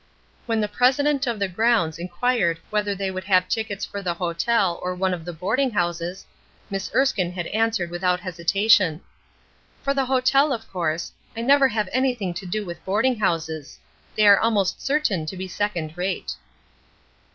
When the President of the grounds inquired whether they would have tickets for the hotel or one of the boarding houses, Miss Erskine had answered without hesitation: "For the hotel, of course. I never have anything to do with boarding houses. They are almost certain to be second rate."